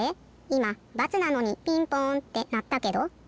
いま×なのにピンポンってなったけど？